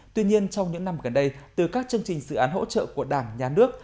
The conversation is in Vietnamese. tuy nhiên trong những năm gần đây từ các chương trình dự án hỗ trợ của đảng nhà nước